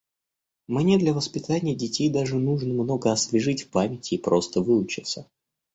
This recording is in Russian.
Мне для воспитания детей даже нужно много освежить в памяти и просто выучиться.